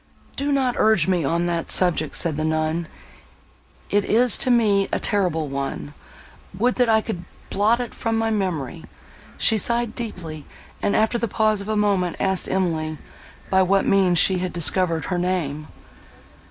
"Do not urge me on that subject," said the nun, "it is to me a terrible one! Would that I could blot it from my memory!" She sighed deeply, and, after the pause of a moment, asked Emily, by what means she had discovered her name?